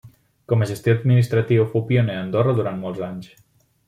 Com a gestor administratiu fou pioner a Andorra durant molts anys.